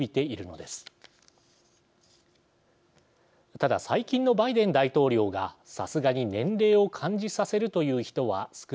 ただ最近のバイデン大統領がさすがに年齢を感じさせるという人は少なくありません。